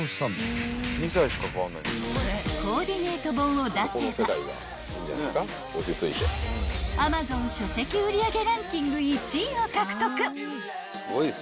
［コーディネート本を出せばＡｍａｚｏｎ書籍売り上げランキング１位を獲得］